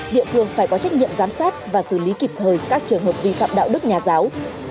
địa phương phải có trách nhiệm giám sát và xử lý kịp thời các trường hợp vi phạm đạo đức nhà giáo